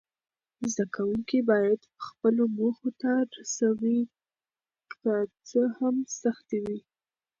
زده کوونکي باید خپلو موخو ته رسوي، که څه هم سختۍ وي.